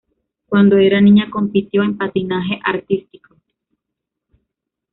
Cuando era niña, compitió en patinaje artístico.